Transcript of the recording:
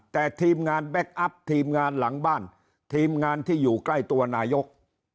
แต่ทีมงานแบ็คอัพทีมงานหลังบ้านทีมงานที่อยู่ใกล้ตัวนายก